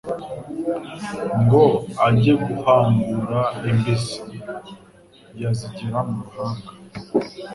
Ngo ajye guhangura Imbizi .Yazigera mu ruhanga,